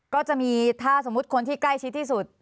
ก็จะมีถ้าสมมุติคนที่ใกล้ชิดที่สุด